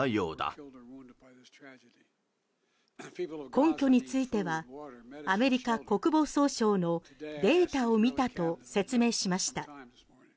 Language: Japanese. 根拠についてはアメリカ国防総省のデータを見たと説明しました。